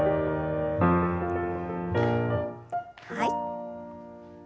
はい。